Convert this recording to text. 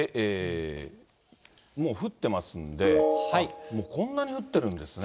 もう降ってますんで、もうこんなに降ってるんですね。